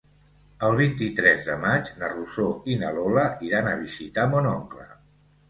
El vint-i-tres de maig na Rosó i na Lola iran a visitar mon oncle.